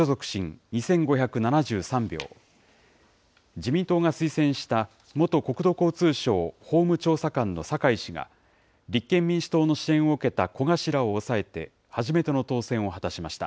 自民党が推薦した元国土交通省法務調査官の坂井氏が立憲民主党の支援を受けた古賀氏らを抑えて、初めての当選を果たしました。